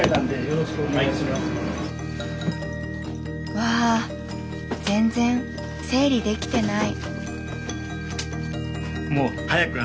わあ全然整理できてない。